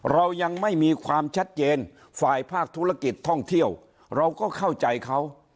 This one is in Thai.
เรายังไม่มีความชัดเจนฝ่ายภาคธุรกิจท่องเที่ยวเราก็เข้าใจเขา